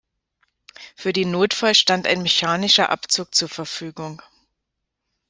Für den Notfall stand ein mechanischer Abzug zur Verfügung.